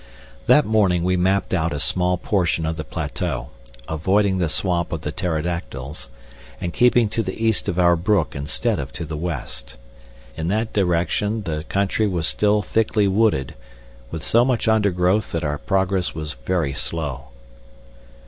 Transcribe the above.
That morning we mapped out a small portion of the plateau, avoiding the swamp of the pterodactyls, and keeping to the east of our brook instead of to the west. In that direction the country was still thickly wooded, with so much undergrowth that our progress was very slow.